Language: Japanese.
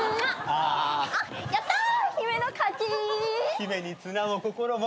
ヒメに綱も心も。